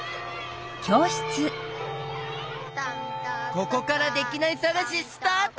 ここからできないさがしスタート！